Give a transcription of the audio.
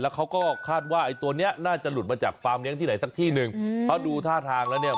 เขาก็คาดว่าไอ้ตัวเนี้ยน่าจะหลุดมาจากฟาร์มเลี้ยที่ไหนสักที่หนึ่งเพราะดูท่าทางแล้วเนี่ย